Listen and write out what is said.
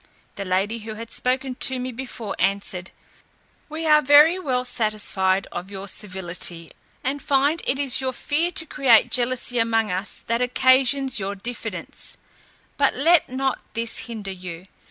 The lady who had spoken to me before answered, "We are very well satisfied of your civility, and find it is your fear to create jealousy among us that occasions your diffidence; but let not this hinder you.